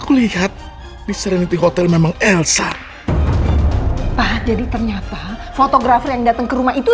kulihat diserinity hotel memang elsa jadi ternyata fotografer yang datang ke rumah itu